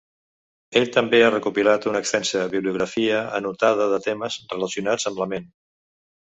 Ell també ha recopilat una extensa "Bibliografia anotada de temes relacionats amb la ment".